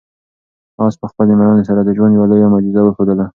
آس په خپلې مېړانې سره د ژوند یوه لویه معجزه وښودله.